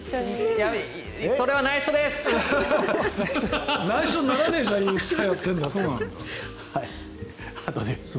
それは内緒です！